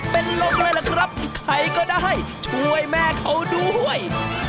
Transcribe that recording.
เป็นลมเลยล่ะครับใครก็ได้ช่วยแม่เขาด้วย